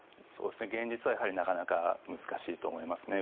現実はやはりなかなか難しいと思いますね。